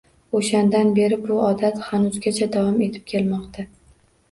O‘shandan beri bu odat hanuzgacha davom etib kelmoqda.